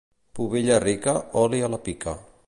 Pubilla rica, oli a la pica.